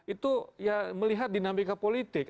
itu ya melihat dinamika politik